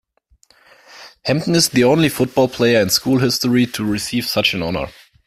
Hampton is the only football player in school history to receive such an honor.